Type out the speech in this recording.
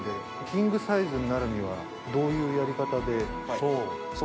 キングサイズになるにはどういうやり方で？